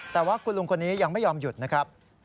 แต่ว่าคุณลุงคนนี้ยังไม่ยอมหยุดนะครับ